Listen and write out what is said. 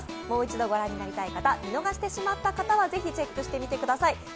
もう一度御覧になりたい方、見逃した方はぜひチェックしてみてください。